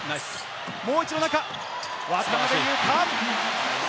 もう一度、中、渡邊雄太！